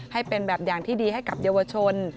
ให้เป็นแบบอย่างที่ดีให้กับเยาวชน